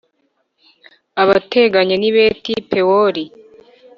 ahateganye n’i Beti-Pewori,